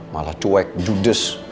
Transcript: malah cuek judes